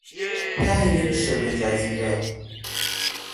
ته یک شبهجزیره